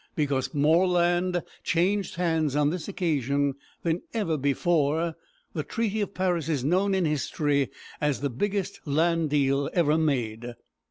Because more land changed hands on this occasion than ever before, the treaty of Paris is known in history as the biggest land deal ever made.